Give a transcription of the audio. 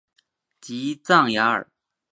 吉藏雅尔。